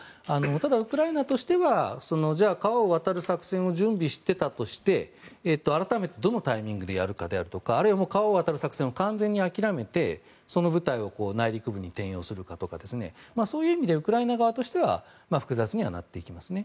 ただ、ウクライナとしてはじゃあ、川を渡る作戦を準備していたとして改めて、どのタイミングでやるかであるとかあるいは川を渡る作戦を完全に諦めてその部隊を内陸部に転用するかとかそういう意味でウクライナ側としては複雑にはなっていきますね。